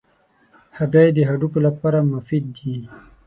هګۍ د هډوکو لپاره مفید دي.